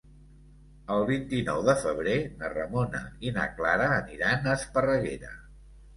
El vint-i-nou de febrer na Ramona i na Clara aniran a Esparreguera.